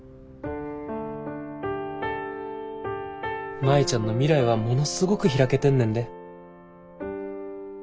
舞ちゃんの未来はものすごく開けてんねんで。